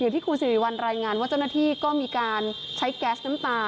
ที่คุณสิริวัลรายงานว่าเจ้าหน้าที่ก็มีการใช้แก๊สน้ำตา